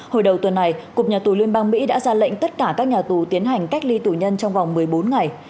hồi đầu tuần này cục nhà tù liên bang mỹ đã ra lệnh tất cả các nhà tù tiến hành cách ly tù nhân trong vòng một mươi bốn ngày